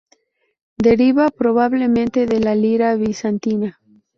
Deriva probablemente de la lira bizantina.